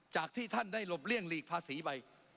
จากที่ท่านได้หลบเลี่ยงหลีกภาษีไป